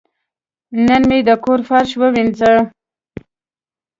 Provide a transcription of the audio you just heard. نن مې د کور فرش ووینځه.